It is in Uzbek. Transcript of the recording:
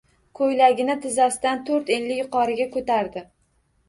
Koʼylagini tizzasidan toʼrt enli yuqoriga koʼtardi.